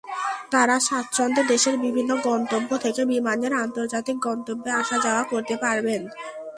তাঁরা স্বাচ্ছন্দ্যে দেশের বিভিন্ন গন্তব্য থেকে বিমানের আন্তর্জাতিক গন্তব্যে আসা-যাওয়া করতে পারবেন।